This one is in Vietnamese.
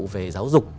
về giáo dục